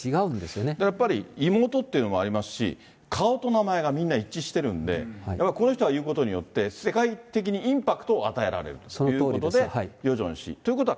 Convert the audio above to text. やっぱり妹っていうのもありますし、顔と名前がみんな一致してるんで、やっぱりこの人が言うことによって、世界的にインパクトを与えられるということで、ヨジョン氏ということで。